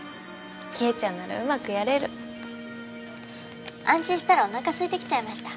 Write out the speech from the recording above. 希恵ちゃんならうまくやれる安心したらお腹すいてきちゃいました。